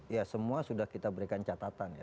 ya semua sudah kita berikan catatan ya